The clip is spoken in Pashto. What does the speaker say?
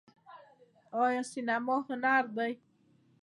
آیا سینما هنر دی؟